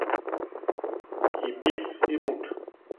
Hibip hi mut.